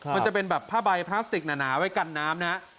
มันจะเป็นแบบผ้าใบพลาสติกหนาไว้กันน้ำนะฮะ